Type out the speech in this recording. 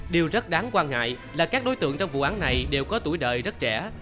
điều rất đáng quan ngại là các đối tượng trong vụ án này đều có tuổi đời rất trẻ